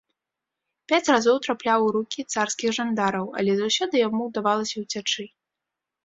Пяць разоў трапляў у рукі царскіх жандараў, але заўсёды яму ўдавалася ўцячы.